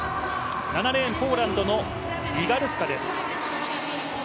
７レーン、ポーランドのリガルスカです。